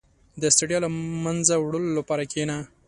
• د ستړیا له منځه وړلو لپاره کښېنه.